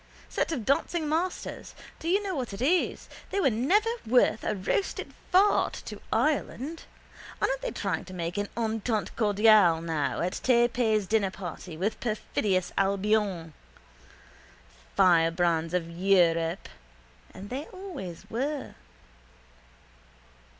Set of dancing masters! Do you know what it is? They were never worth a roasted fart to Ireland. Aren't they trying to make an Entente cordiale now at Tay Pay's dinnerparty with perfidious Albion? Firebrands of Europe and they always were.